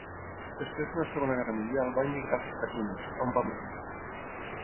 Després de la Segona Guerra Mundial va emigrar als Estats Units, on va morir.